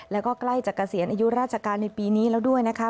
แล้วก็ใกล้จะเกษียณอายุราชการในปีนี้แล้วด้วยนะคะ